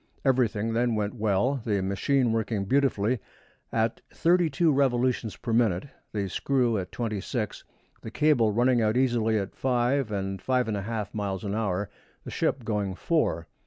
Everything then went well, the machine working beautifully, at thirty two revolutions per minute, the screw at twenty six, the cable running out easily at five and five and a half miles an hour, the ship going four.